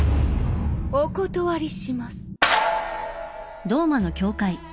お断りします。